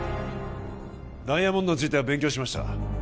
ダイヤモンドについては勉強しました